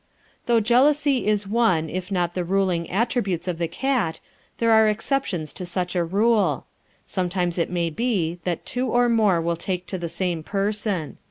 Though jealousy is one of if not the ruling attributes of the cat, there are exceptions to such a rule. Sometimes it may be that two or more will take to the same person.